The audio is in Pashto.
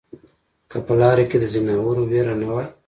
که په لاره کې د ځناورو وېره نه وای